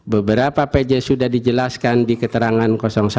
beberapa pejahat sudah dijelaskan di keterangan satu satu satu